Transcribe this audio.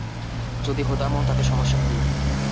যদি হতামও তাতে সমস্যা কী।